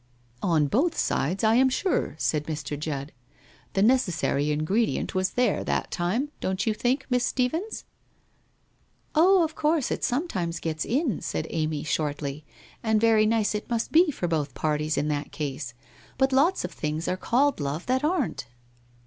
1 On both sides I am sure,' said Mr. Judd. ' The neces sary ingredient was there that time, don't you think, Miss Stephens ?'' Oh, of course it sometimes gets in,' said Amy shortly. ' And very nice it must be for both parties, in that case. But lots of things are called Love that aren't